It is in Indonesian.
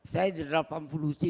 saya di delapan puluh tiga